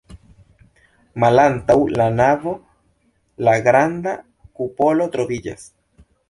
Malantaŭ la navo la granda kupolo troviĝas.